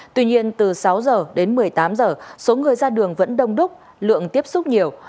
tuy nhiên từ sáu h đến một mươi tám h số người ra đường vẫn đông đúc lượng tiếp xúc nhiều